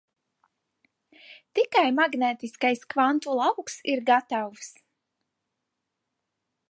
Tikai magnētiskais kvantu lauks ir gatavs.